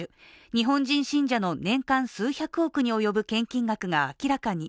日本人信者の年間数百億に及ぶ献金額が明らかに。